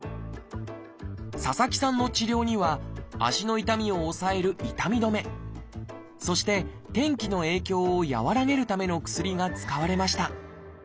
佐々木さんの治療には足の痛みを抑える痛み止めそして天気の影響を和らげるための薬が使われました。